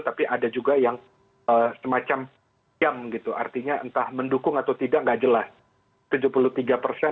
tapi ada juga yang semacam diam gitu artinya entah mendukung atau tidak nggak jelas